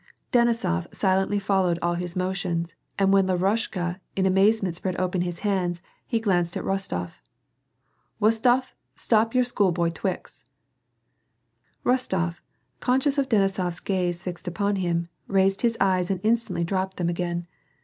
Deuisof silently followed all his motions and when lavrushka in amazement spread opeu his hands, he glanced at Rostof. W'ostof, stop your schoolboy twicks "— Bostof, conscious of Denisofs gaze fixed upon him, raised his eyes and instantly dropped them again.